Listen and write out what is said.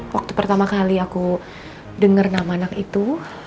waktu pertama kali aku denger nama anak itu